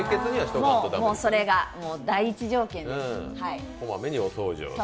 それが第一条件です。